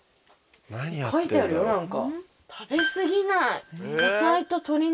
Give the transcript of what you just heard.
書いてあるよ何か。